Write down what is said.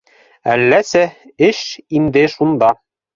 — Әлләсе, эш инде шунда